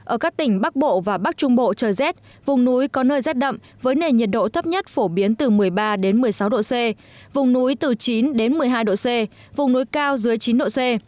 ở các tỉnh bắc bộ và bắc trung bộ trời rét vùng núi có nơi rét đậm với nền nhiệt độ thấp nhất phổ biến từ một mươi ba một mươi sáu độ c vùng núi từ chín một mươi hai độ c vùng núi cao dưới chín độ c